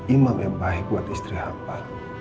imam yang baik buat istri apa